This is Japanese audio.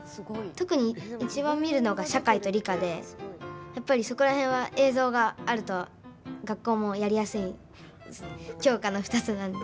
特に、いちばん見るのが社会と理科で、やっぱりそこら辺は映像があると学校もやりやすい教科の２つなので多分。